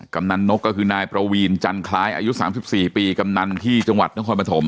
กำนันนกก็คือนายประวีนจันคล้ายอายุ๓๔ปีกำนันที่จังหวัดนครปฐม